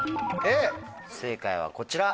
正解はこちら。